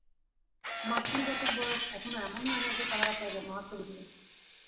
মার্কিন জাতির বয়স এখনও এমন হয় নাই যে, তাহারা ত্যাগের মাহাত্ম বুঝিবে।